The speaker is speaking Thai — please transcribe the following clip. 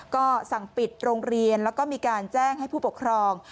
ก็สั่งปิดโรงเรียนแล้วก็มีการแจ้งให้ผู้ปกครอง